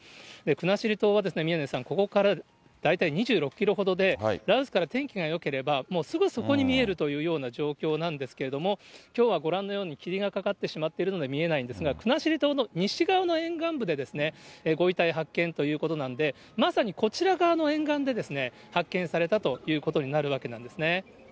国後島は、宮根さん、ここから大体２６キロほどで、羅臼から天気がよければ、もうすぐそこに見えるというような状況なんですけれども、きょうはご覧のように霧がかかってしまっているので、見えないんですが、国後島の西側の沿岸部で、ご遺体発見ということなので、まさにこちら側の沿岸で発見されたということになるわけなんですね。